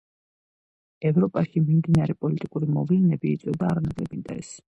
ევროპაში მიმდინარე პოლიტიკური მოვლენები იწვევდა არანაკლებ ინტერესს.